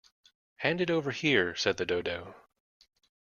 ‘Hand it over here,’ said the Dodo.